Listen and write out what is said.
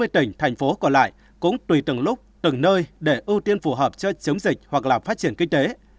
ba mươi tỉnh thành phố còn lại cũng tùy từng lúc từng nơi để ưu tiên phù hợp cho chống dịch hoặc làm phát triển kinh tế